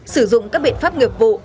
sử dụng các biện pháp nghiệp vụ